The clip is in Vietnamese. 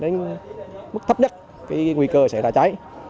đến mức thấp nhất cái nguy cơ sẽ là cháy